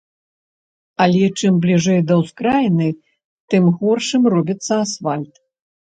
Але чым бліжэй да ўскраіны, тым горшым робіцца асфальт.